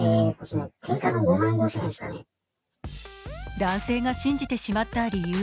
男性が信じてしまった理由。